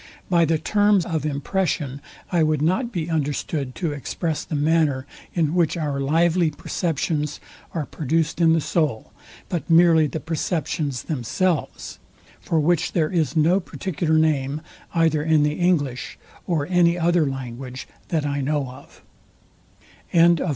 By the terms of impression I would not be understood to express the manner, in which our lively perceptions are produced in the soul, but merely the perceptions themselves; for which there is no particular name either in the English or any other language, that I know of.